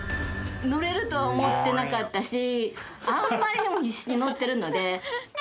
乗れるとは思ってなかったしあんまりにも必死に乗ってるので。